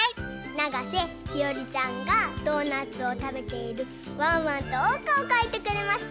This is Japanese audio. ながせひよりちゃんがドーナツをたべているワンワンとおうかをかいてくれました。